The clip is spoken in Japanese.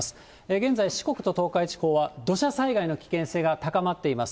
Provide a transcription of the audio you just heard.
現在、四国と東海地方は土砂災害の危険性が高まっています。